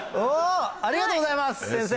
ありがとうございます先生。